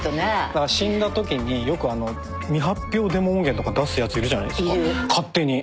だから死んだときによく未発表デモ音源とか出すやついるじゃないですか勝手に。